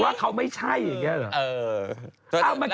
ว่าเขาไม่ใช่อย่างนี้เหรอ